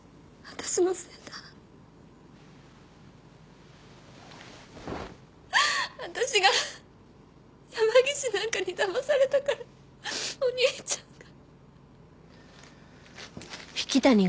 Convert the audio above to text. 私が山岸なんかにだまされたからお兄ちゃんが。